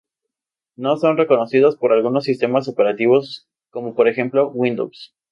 No son reconocidos por algunos sistemas operativos, como por ejemplo Windows.